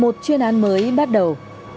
một chuyên án mới bắt đầu